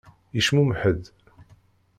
Yecmumeḥ-d.